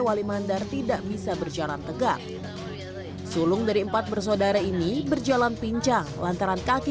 walimandar tidak bisa berjalan tegak sulung dari empat bersaudara ini berjalan pinjang lantaran kaki